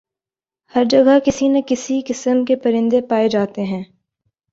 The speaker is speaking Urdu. ہر جگہ کسی نہ کسی قسم کے پرندے پائے جاتے ہیں